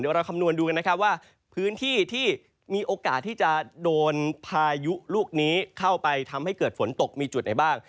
เดี๋ยวเราคำนวณดูกันนะครับว่าพื้นที่ที่มีโอกาสที่จะโดนพายุลูกนี้เข้าไปทำให้เกิดฝนตกมีจุดไหนบ้าง